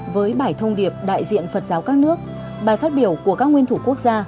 với bài thông điệp đại diện phật giáo các nước bài phát biểu của các nguyên thủ quốc gia